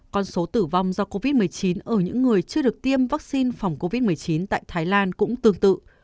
con số tử vong do covid một mươi chín ở những người chưa được tiêm vaccine phòng covid một mươi chín tại thái lan cũng tương tự